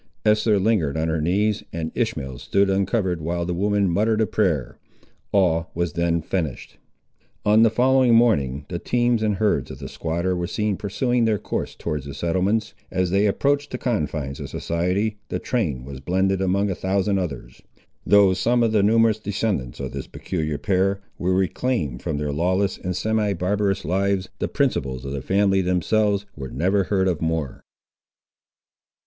Esther lingered on her knees, and Ishmael stood uncovered while the woman muttered a prayer. All was then finished. On the following morning the teams and herds of the squatter were seen pursuing their course towards the settlements. As they approached the confines of society the train was blended among a thousand others. Though some of the numerous descendants of this peculiar pair were reclaimed from their lawless and semi barbarous lives, the principals of the family, themselves, were never heard of more.